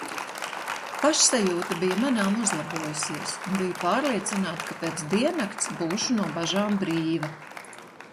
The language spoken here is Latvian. Pašsajūta bija manāmi uzlabojusies un biju pārliecināta, ka pēc diennakts būšu no bažām brīva.